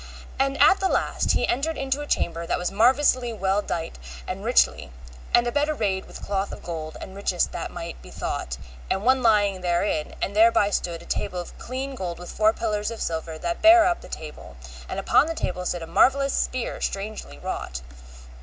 And at the last he entered into a chamber that was marvellously well dight and richly, and a bed arrayed with cloth of gold, the richest that might be thought, and one lying therein, and thereby stood a table of clean gold with four pillars of silver that bare up the table, and upon the table stood a marvellous spear strangely wrought.